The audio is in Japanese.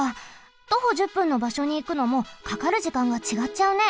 徒歩１０分のばしょにいくのもかかる時間がちがっちゃうね。